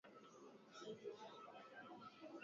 hadi mwaka elfumbili kumi na nne Shimo